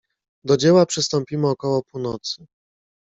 "Do dzieła przystąpimy około północy."